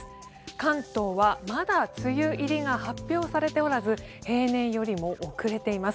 関東はまだ梅雨入りが発表されておらず平年よりも遅れています。